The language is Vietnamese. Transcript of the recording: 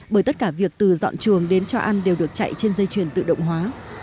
bởi tất cả việc từ dọn chuồng đến cho ăn đều được chạy trên dây truyền tự động hóa